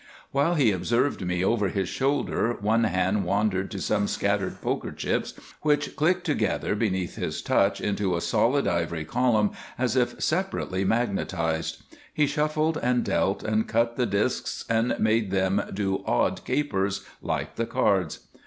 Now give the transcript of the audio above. While he observed me over his shoulder one hand wandered to some scattered poker chips which clicked together beneath his touch into a solid ivory column as if separately magnetized. He shuffled and dealt and cut the disks and made them do odd capers like the cards.